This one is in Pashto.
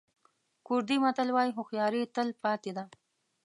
کوردي متل وایي هوښیاري تل پاتې ده.